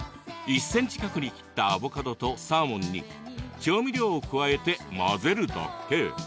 １ｃｍ角に切ったアボカドとサーモンに調味料を加えて混ぜるだけ。